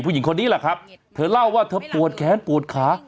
ผู้หญิงคนนี้แหละครับเธอเล่าว่าเธอปวดแขนปวดขา